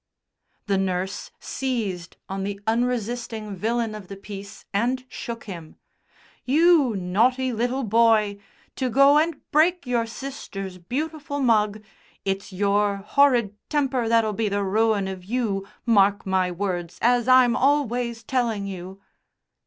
The nurse seized on the unresisting villain of the piece and shook him. "You naughty little boy! To go and break your sister's beautiful mug. It's your horrid temper that'll be the ruin of you, mark my words, as I'm always telling you."